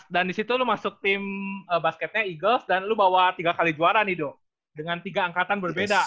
dua ribu empat belas dan disitu lu masuk tim basketnya eagles dan lu bawa tiga kali juara nih do dengan tiga angkatan berbeda